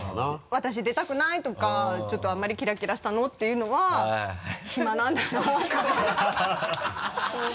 「私出たくない」とか「ちょっとあんまりキラキラしたの」って言うのはヒマなんだなって ハハハ